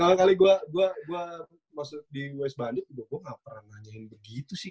kalo kali gue masuk di west bandit gue nggak pernah nanyain begitu sih